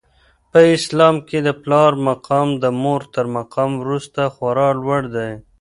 په اسلام کي د پلار مقام د مور تر مقام وروسته خورا لوړ دی.